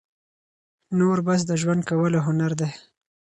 نور بس د ژوند کولو هنر دى،